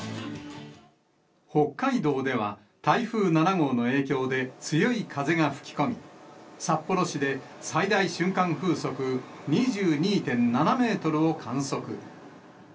北海道では、台風７号の影響で強い風が吹き込み、札幌市で最大瞬間風速２２．７メートルを観測。